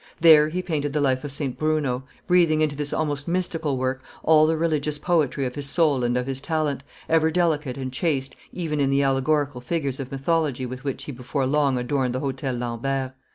There he painted the life of St. Bruno, breathing into this almost mystical work all the religious poetry of his soul and of his talent, ever delicate and chaste even in the allegorical figures of mythology with which he before long adorned the Hotel Lambert.